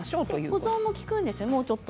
保存も利くんですよね。